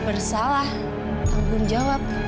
bersalah tanggung jawab